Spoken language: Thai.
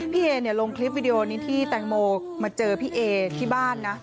พี่เอเนี่ยลงคลิปวิดีโอนี้ที่แตงโมมาเจอพี่เอที่บ้านนะ